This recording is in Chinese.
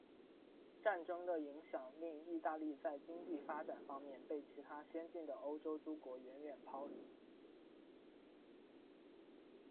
战争的影响令意大利在经济发展方面被其他先进的欧洲诸国远远抛离。